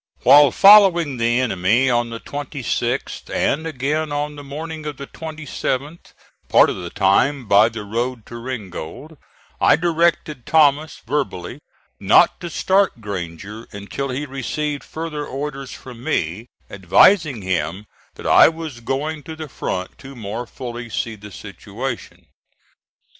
While following the enemy on the 26th, and again on the morning of the 27th, part of the time by the road to Ringgold, I directed Thomas, verbally, not to start Granger until he received further orders from me; advising him that I was going to the front to more fully see the situation.